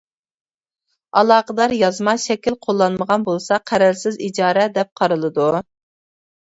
ئالاقىدار يازما شەكىل قوللانمىغان بولسا، قەرەلسىز ئىجارە، دەپ قارىلىدۇ.